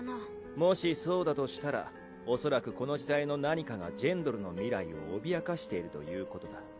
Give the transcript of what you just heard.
もしそうだとしたらおそらくこの時代の何かがジェンドルの未来を脅かしているということだ。